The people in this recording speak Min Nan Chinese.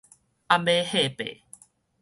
暗碼貨幣